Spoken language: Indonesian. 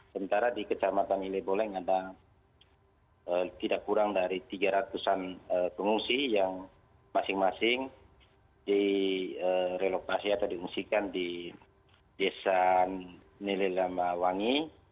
sementara di kecamatan ile boleng ada tidak kurang dari tiga ratus an pengungsi yang masing masing direlokasi atau diungsikan di desa nilai lamawangi